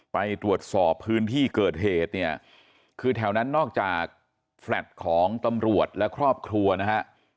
ไปตรวจสอบพื้นที่เกิดเหตุเนี่ยคือแถวนั้นนอกจากแฟลต์ของตำรวจและครอบครัวนะฮะ